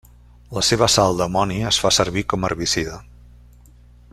La seva sal d'amoni es fa servir com herbicida.